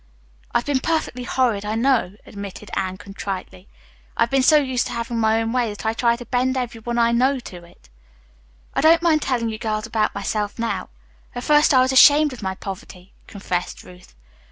"I've been perfectly horrid, I know," admitted Arline contritely. "I've been so used to having my own way that I try to bend everyone I know to it." "I don't mind telling you girls about myself now. At first I was ashamed of my poverty," confessed Ruth.